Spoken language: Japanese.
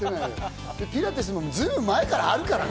ピラティスも随分前からあるからね。